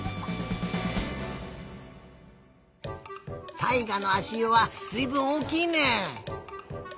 たいがのあしゆはずいぶんおおきいね。